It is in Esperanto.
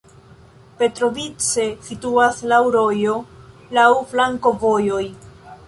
Petrovice situas laŭ rojo, laŭ flankovojoj.